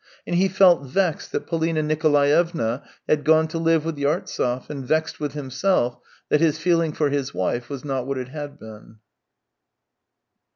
And he felt vexed that Polina Nikolaevna had gone to live with Yartsev, and vexed with himself that his feeling for his wife was not what it had been.